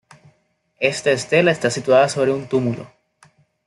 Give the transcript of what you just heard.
Esta estela está situada sobre un túmulo.